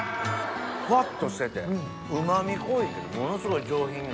フワっとしててうま味濃いけどものすごい上品な。